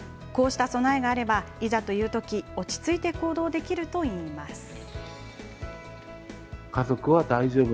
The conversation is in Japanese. こうした備えがあればいざというとき落ち着いて行動できるといいます。